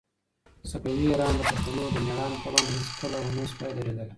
صفوي ایران د پښتنو د مېړانې په وړاندې هيڅکله ونه شوای درېدلای.